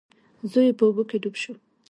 زوی یې په اوبو کې ډوب شو.